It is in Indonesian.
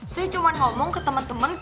saya cuma ngomong ke teman teman